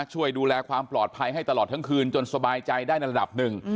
ช่วยดูแลความปลอดภัยให้ตลอดทั้งคืนจนสบายใจได้ในระดับหนึ่ง